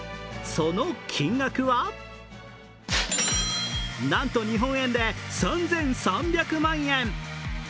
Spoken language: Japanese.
その金額はなんと日本円で３３００万円。